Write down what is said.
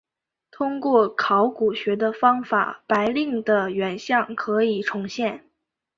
通过考古学的方法白令的原像可以重现。